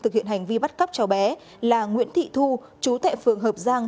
thực hiện hành vi bắt cóc cháu bé là nguyễn thị thu chú tại phường hợp giang